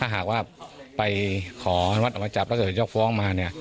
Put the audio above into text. ถ้าหากว่าไปขอวัดอาวัดจับแล้วเสียเจ้าฟ้องมา